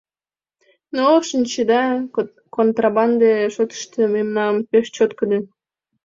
Но, шинчеда, контрабанде шотышто мемнан пеш чоткыдо.